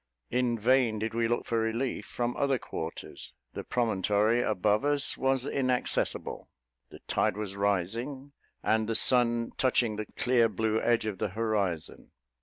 In vain did we look for relief from other quarters; the promontory above us was inaccessible; the tide was rising, and the sun touching the clear blue edge of the horizon.